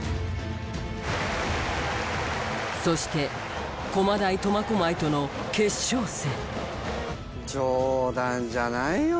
そして駒大苫小牧との決勝戦。